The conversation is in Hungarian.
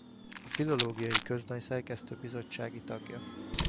A Filológiai Közlöny szerkesztőbizottsági tagja.